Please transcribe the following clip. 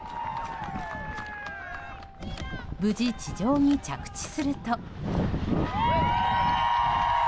無事、地上に着地すると。